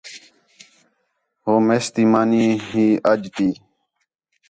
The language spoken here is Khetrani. ہے میس تی مانی ہی اَڄ تی